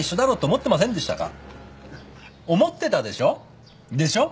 思ってたでしょ。でしょ。